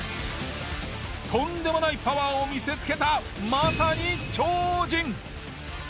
とんでもないパワーを見せつけたまさに超人！